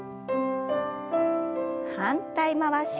反対回し。